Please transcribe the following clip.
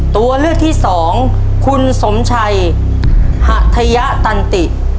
ตัวเลือกที่สองคุณสมชัยหัทยะตันติ